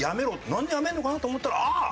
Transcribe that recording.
なんでやめるのかなと思ったらああ！